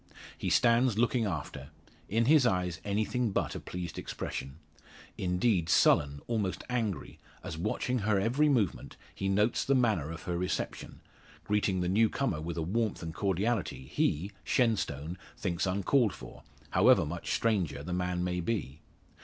He stands looking after; in his eyes anything but a pleased expression. Indeed, sullen, almost angry, as watching her every movement, he notes the manner of her reception greeting the new comer with a warmth and cordiality he, Shenstone, thinks uncalled for, however much stranger the man may be.